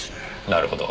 なるほど。